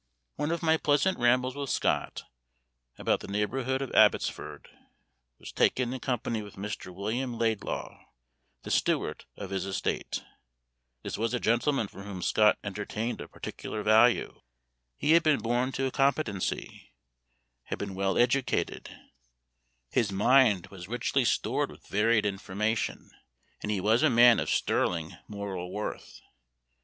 One of my pleasant rambles with Scott, about the neighborhood of Abbotsford, was taken in company with Mr. William Laidlaw, the steward of his estate. This was a gentleman for whom Scott entertained a particular value. He had been born to a competency, had been well educated, his mind was richly stored with varied information, and he was a man of sterling moral worth.